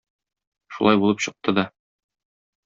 Шулай булып чыкты да.